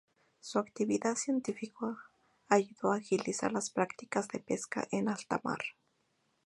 Su actividad científica ayudó a agilizar las prácticas de pesca en alta mar.